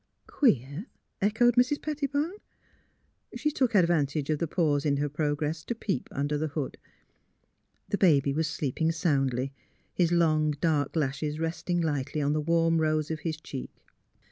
" Queer? " echoed Mrs. Pettibone. She took advantage of the pause in her prog ress to peep under the hood. The baby was sleep ing soundly, his long dark lashes resting lightly on the warm rose of his cheek.